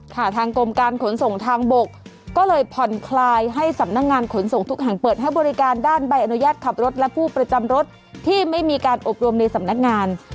ทางกรมการขนส่งทางบกก็เลยผ่อนคลายให้สำนักงานขนส่งทุกแห่งเปิดให้บริการด้านใบอนุญาตขับรถและผู้ประจำรถที่ไม่มีการอบรมในสำนักงาน